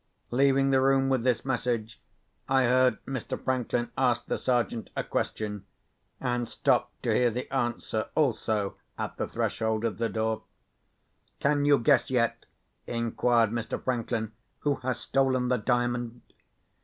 Leaving the room with this message, I heard Mr. Franklin ask the Sergeant a question, and stopped to hear the answer also at the threshold of the door. "Can you guess yet," inquired Mr. Franklin, "who has stolen the Diamond?"